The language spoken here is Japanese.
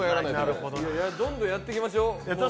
どんどんやっていきましょう。